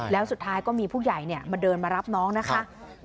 แล้วสุดท้ายก็มีผู้ใหญ่มาเดินมารับน้องนะคะ